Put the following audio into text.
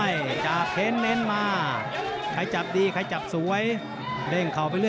ยอดมวยไทรัฐติดตามกันได้